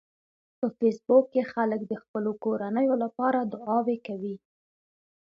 په فېسبوک کې خلک د خپلو کورنیو لپاره دعاوې کوي